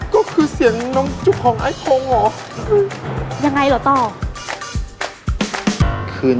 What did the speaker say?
ก็คือเสียงน้องจุกคอลองไอ้โภงเหรอ